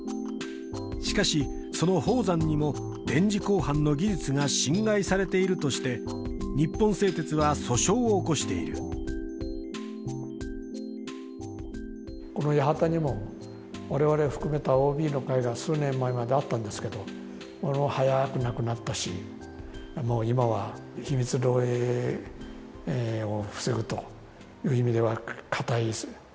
しかしその宝山にも電磁鋼板の技術が侵害されているとして日本製鉄は訴訟を起こしているこの八幡にも我々含めたＯＢの会が数年前まであったんですけど早くになくなったしもう今は秘密漏洩を防ぐという意味では固いですね